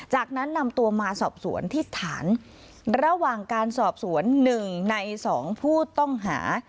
จากนั้นนำตัวมาสอบสวนที่ฐานระหว่างการสอบสวน๑ใน๒ผู้ต้องหา